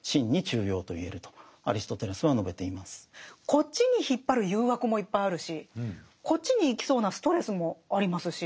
こっちに引っ張る誘惑もいっぱいあるしこっちに行きそうなストレスもありますし。